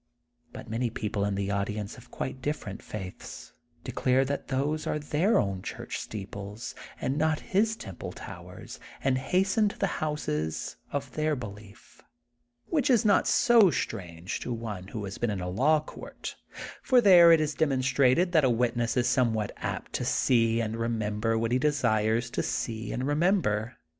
But many people in the audience of quite different faiths declare that those are their own church steeples and not his temple towers, and hasten to the houses of their belief. Which is not so strange, to one who has been in a law court, for there it is demonstrated that a witness is somewhat apt to see and remember what he desires to see and remember.